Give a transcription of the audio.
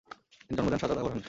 তিনি জন্ম দেন শাহযাদা ওরহানের।